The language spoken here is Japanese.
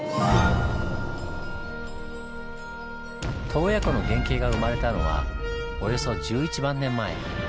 洞爺湖の原形が生まれたのはおよそ１１万年前。